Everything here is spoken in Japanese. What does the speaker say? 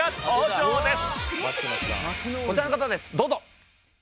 こちらの方ですどうぞ。